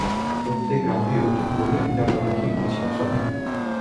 প্রত্যেক রাতে, রােত যখন গভীর, আমি তার দরজার খিল খুলেছি কত সাবধানে।